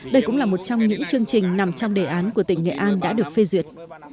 đây cũng là một trong những chương trình nằm trong đề án của tỉnh nghệ an đã được phê duyệt